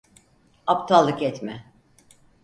Aptallık etme!